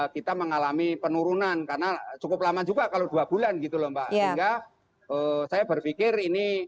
kita mengalami penurunan karena cukup lama juga kalau dua bulan gitu loh mbak sehingga saya berpikir ini